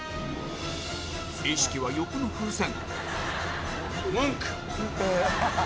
意識は横の風船「ムンク！」